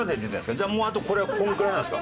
じゃあもうあとこれはこのぐらいなんですか？